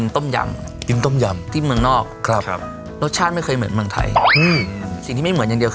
โปรดติดตามต่อไป